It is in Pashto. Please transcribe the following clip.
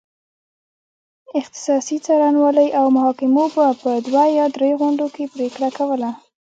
اختصاصي څارنوالۍ او محاکمو به په دوه یا درې غونډو کې پرېکړه کوله.